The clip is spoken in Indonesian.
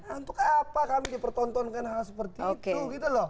untuk apa kami dipertontonkan hal seperti itu gitu loh